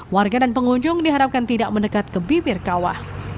warga dan pengunjung diharapkan tidak mendekat ke bibirkawa